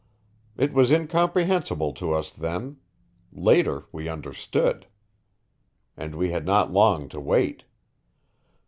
It was incomprehensible to us then; later we understood. And we had not long to wait.